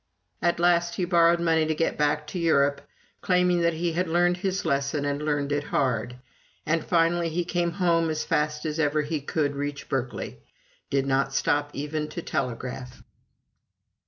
At last he borrowed money to get back to Europe, claiming that "he had learned his lesson and learned it hard." And finally he came home as fast as ever he could reach Berkeley did not stop even to telegraph.